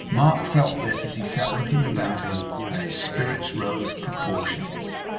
Mark felt this, as he sat looking about him; and his spirits rose proportionately.